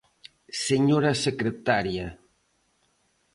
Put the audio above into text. Señora secretaria.